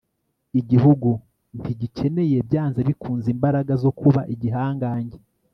Igihugu ntigikeneye byanze bikunze imbaraga zo kuba igihangange